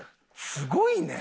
すごいね。